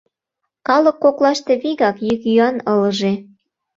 Калык коклаште вигак йӱк-йӱан ылыже: